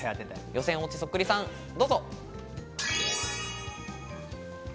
予選落ちそっくりさんどうぞ。